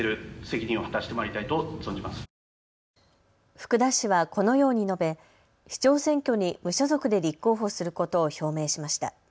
福田氏はこのように述べ、市長選挙に無所属で立候補することを表明しました。